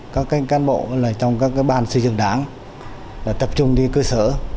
các cán bộ trong các ban xây dựng đảng tập trung đi cơ sở